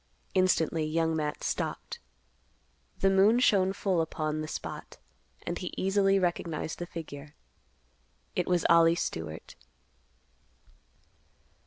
Instantly Young Matt stopped. The moon shone full upon the spot, and he easily recognized the figure. It was Ollie Stewart.